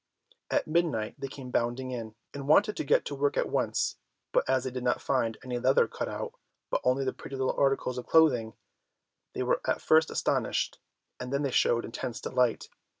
At midnight they came bounding in, and wanted to get to work at once, but as they did not find any leather cut out, but only the pretty little articles of clothing, they were at first astonished, and then they showed intense delight.